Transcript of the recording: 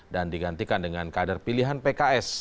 dan digantikan dengan kadar pilihan pks